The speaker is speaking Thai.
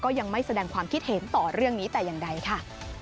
ยังไม่แสดงความคิดเห็นต่อเรื่องนี้แต่อย่างใดค่ะ